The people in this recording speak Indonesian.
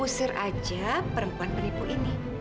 usir aja perempuan penipu ini